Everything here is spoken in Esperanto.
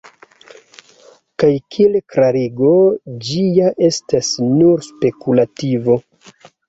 Kaj kiel klarigo ĝi ja estas nur spekulativo.